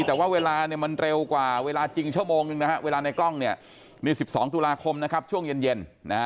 แต่ว่าเวลามันเร็วกว่าเวลาจริงชะมองหนึ่งเวลาในกล้องนี่๑๒ตุลาคมช่วงเย็น